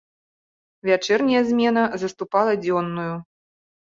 Вячэрняя змена заступала дзённую.